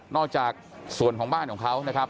นอกจากส่วนของบ้านของเขา